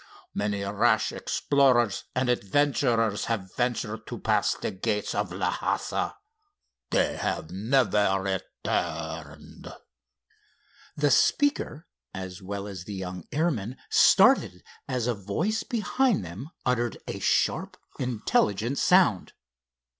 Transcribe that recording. Many rash explorers and adventurers have ventured to pass the gates of Lhassa. They have never returned." The speaker as well as the young airman started as a voice behind them uttered a sharp intelligent sound.